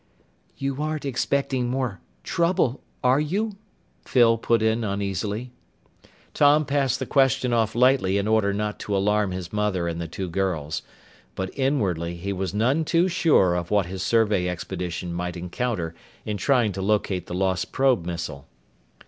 "You aren't expecting more trouble, are you?" Phyl put in uneasily. Tom passed the question off lightly in order not to alarm his mother and the two girls. But inwardly he was none too sure of what his survey expedition might encounter in trying to locate the lost probe missile.